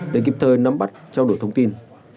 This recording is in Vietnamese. để kịp thời nắm bắt trao đổi thông tin